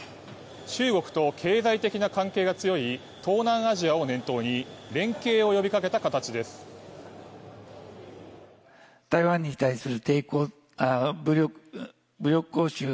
中国と経済的な関係が強い東南アジアを念頭に連携を呼びかけた形です。